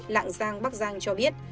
lạng giang bắc giang cho biết